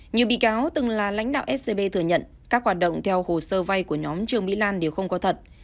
nhiều bị cáo từng là lãnh đạo scb thừa nhận các hoạt động theo hồ sơ vay của nhóm trương mỹ lan đều không có thật